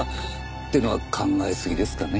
ってのは考えすぎですかね？